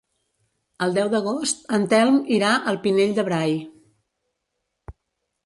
El deu d'agost en Telm irà al Pinell de Brai.